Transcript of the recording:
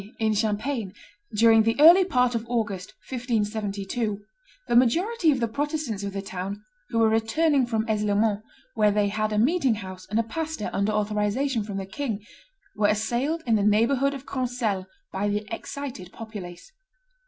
] At Troyes, in Champagne, "during the early part of August, 1572, the majority of the Protestants of the town, who were returning from Esleau Mont, where they had a meeting house and a pastor under authorization from the king, were assailed in the neighborhood of Croncels by the excited populace.